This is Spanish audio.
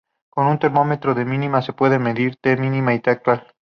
Con un termómetro de mínima se puede medir T° mínima y T° actual.